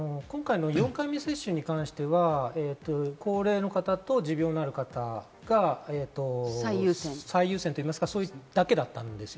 ４回目接種に関しては、高齢の方と持病のある方が最優先といいますか、それだけだったんです。